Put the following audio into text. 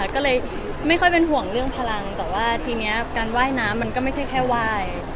ก็เลยไม่ค่อยเป็นห่วงเรื่องพลังแต่ว่าทีนี้การว่ายน้ำมันก็ไม่ใช่แค่ไหว้